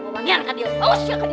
bawa dia ke dio